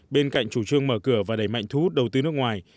bên cạnh chủ trương mở cửa và đẩy mạnh thú đầu tư nước ngoài